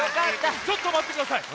ちょっとまってください！